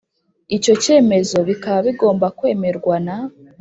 icyo cyemezo bikaba bigomba kwemerwa na